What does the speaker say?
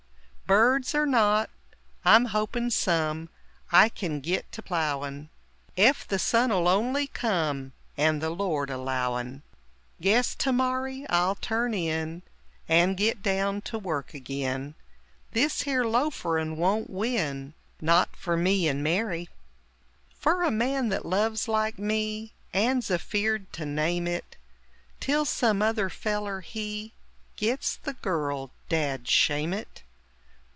Birds er not, I'm hopin' some I kin git to plowin': Ef the sun'll only come, And the Lord allowin', Guess to morry I'll turn in And git down to work agin: This here loaferin' won't win; Not fer me and Mary! Fer a man that loves, like me, And's afeard to name it, Till some other feller, he Gits the girl dad shame it!